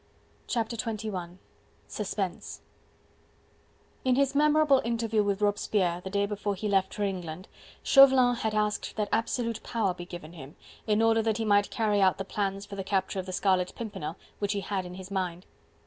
Chapter XXI: Suspense In his memorable interview with Robespierre, the day before he left for England, Chauvelin had asked that absolute power be given him, in order that he might carry out the plans for the capture of the Scarlet Pimpernel, which he had in his mind.